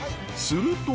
すると］